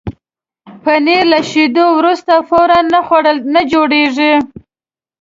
پنېر له شیدو وروسته فوراً نه جوړېږي.